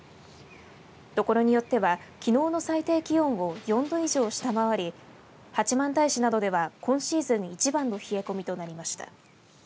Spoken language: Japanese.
ところによってはきのうの最低気温を４度以上、下回り八幡平市などでは今シーズン一番の冷え込みとなりました。